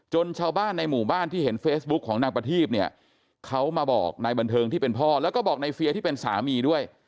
ชาวบ้านในหมู่บ้านที่เห็นเฟซบุ๊กของนางประทีพเนี่ยเขามาบอกนายบันเทิงที่เป็นพ่อแล้วก็บอกในเฟียที่เป็นสามีด้วย